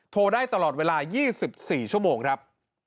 โทรได้ตลอดเวลา๒๔ชั่วโมงครับ